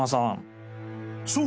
［そう。